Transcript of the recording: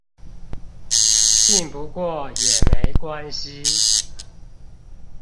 信不過也沒關係